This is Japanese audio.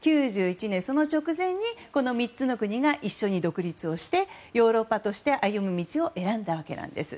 ９１年その直前にこの３つの国が一緒に独立してヨーロッパとして歩む道を選んだわけなんです。